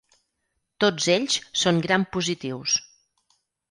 Tots ells són grampositius.